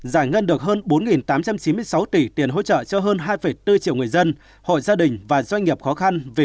giải ngân được hơn bốn tám trăm chín mươi sáu tỷ tiền hỗ trợ cho hơn hai bốn triệu người dân hội gia đình và doanh nghiệp khó khăn vì covid một mươi chín